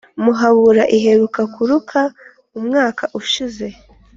Muhabura iheruka kuruka umwaka ushize